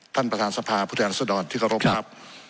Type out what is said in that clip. ท่านประธานสภาพุทธแหละสะดอดที่กรมครับ